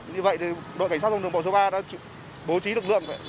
như vậy đội cảnh sát giao thông số ba đã bố trí lực lượng